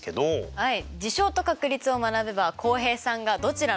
はい。